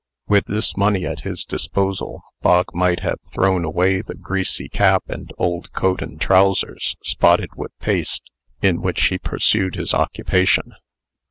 With this money at his disposal, Bog might have thrown away the greasy cap and old coat and trowsers, spotted with paste, in which he pursued his occupation.